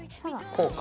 こうか。